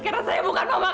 karena saya bukan mama kamu